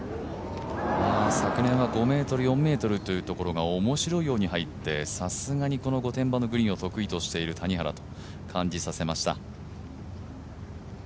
昨年は５ｍ、４ｍというところがおもしろいように入って、さすがにこの御殿場のグリーンを得意としている谷原と感じさせました。